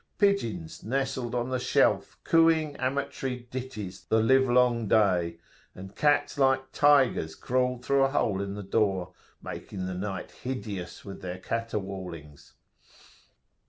Pigeons nestled on the shelf, cooing amatory ditties the live long day, and cats like tigers crawled through a hole in the door, making night hideous with their caterwaulings.